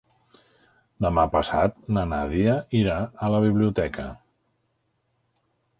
Demà passat na Nàdia irà a la biblioteca.